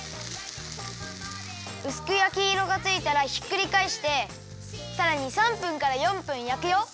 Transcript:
うすくやきいろがついたらひっくりかえしてさらに３分から４分やくよ。